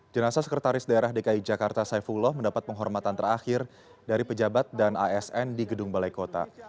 jenasa sekretaris daerah dki jakarta saifullah mendapat penghormatan terakhir dari pejabat dan asn di gedung balai kota